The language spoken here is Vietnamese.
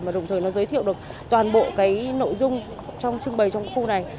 và đồng thời nó giới thiệu được toàn bộ cái nội dung trong trưng bày trong khu này